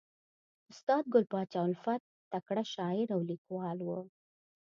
استاد ګل پاچا الفت تکړه شاعر او لیکوال ؤ.